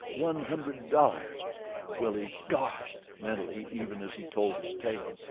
One hundred dollars! Willie "Goshed!" mentally even as he told his tale.